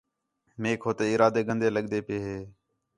میک ہو تے ارادے گندے لڳدے پئے ہے